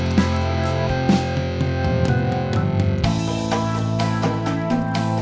sakit hembing maarah ya sih